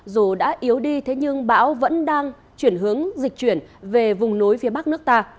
dù đã yếu đi thế nhưng bão vẫn đang chuyển hướng dịch chuyển về vùng núi phía bắc nước ta